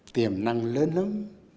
tiềm năng lớn lắm